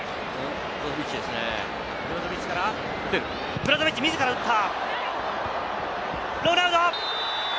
ブロゾビッチ、自ら打った！